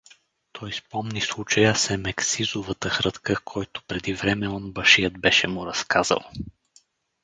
Той спомни случая с Емексизовата хрътка, който преди време онбашият беше му разказал.